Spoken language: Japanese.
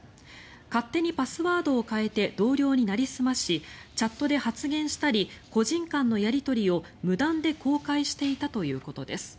勝手にパスワードを変えて同僚になりすましチャットで発言したり個人間のやり取りを無断で公開していたということです。